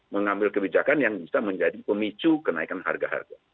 mengambil kebijakan yang bisa menjadi pemicu kenaikan harga harga